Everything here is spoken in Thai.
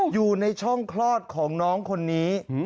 อยู่ในช่องคลอดของน้องคนนี้